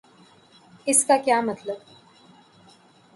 اس کا کیا مطلب؟